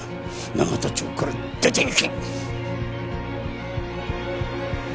永田町から出ていけ！